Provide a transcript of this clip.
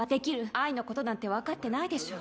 愛のことなんか分かってないでしょう。